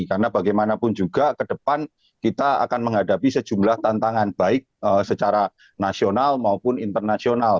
karena bagaimanapun juga ke depan kita akan menghadapi sejumlah tantangan baik secara nasional maupun internasional